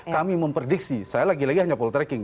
kami memprediksi saya lagi lagi hanya call tracking